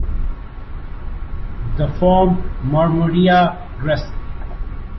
The form "marmorea" Grasl.